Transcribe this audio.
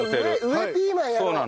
上ピーマンやろう。